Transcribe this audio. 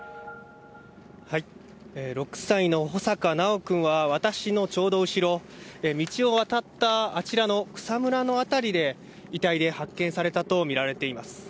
６歳の穂坂修くんは、私のちょうど後ろ、え道を渡ったあちらの草むらの辺りで、遺体で発見されたと見られています。